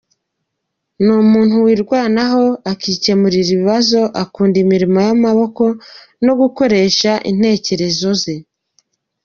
Ni umuntu wirwanaho akikemurira ibibazo, akunda imirimo y’amaboko no gukoresha intekerezo ze.